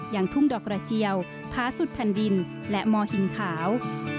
อย่างทุ่มดอกระเจียวพลาสุดพันธ์ดินและมอหิ่งขาว